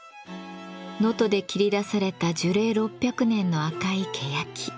能登で切り出された樹齢６００年の赤いけやき。